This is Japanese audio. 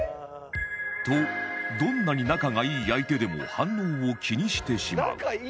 とどんなに仲がいい相手でも反応を気にしてしまう